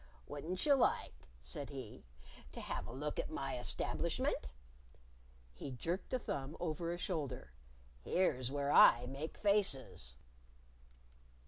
"Wouldn't you like," said he, "to have a look at my establishment?" He jerked a thumb over a shoulder. "Here's where I make faces."